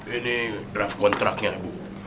ini draft kontraknya ibu